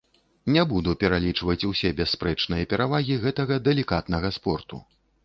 Не буду пералічваць усе бясспрэчныя перавагі гэтага далікатнага спорту.